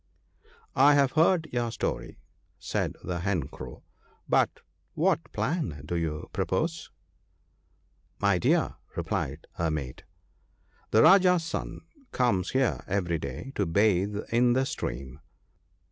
" I have heard your story," said the Hen Crow, " but what plan do you propose ?"'* My dear," replied her mate, " the Rajah's son comes here every day to bathe in the stream.